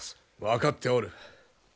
分かっておる。